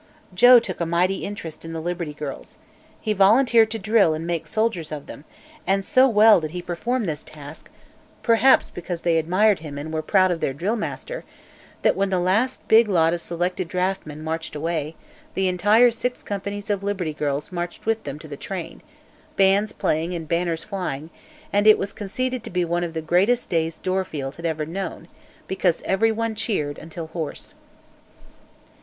Joe took a mighty interest in the Liberty Girls. He volunteered to drill and make soldiers of them, and so well did he perform this task perhaps because they admired him and were proud of their drill master that when the last big lot of selected draft men marched away, the entire six companies of Liberty Girls marched with them to the train bands playing and banners flying and it was conceded to be one of the greatest days Dorfield had ever known, because everyone cheered until hoarse.